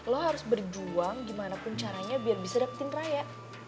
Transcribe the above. lo harus berjuang gimana pun caranya biar bisa dapetin raya